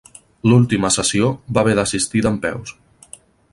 L'última sessió va haver d'assistir dempeus.